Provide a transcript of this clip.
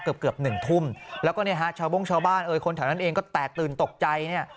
เกือบ๑ทุ่มแล้วก็เนี่ยฮะชาวโบ้งชาวบ้านคนแถวนั้นเองก็แตกตื่นตกใจเนี่ย